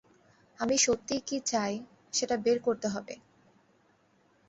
আমি সত্যিই কী চাই, সেটা বের করতে হবে।